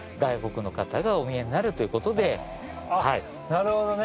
なるほどね。